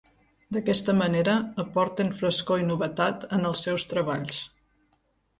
D'aquesta manera aporten frescor i novetat en els seus treballs.